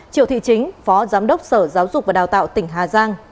triệu thị chính phó giám đốc sở giáo dục và đào tạo tỉnh hà giang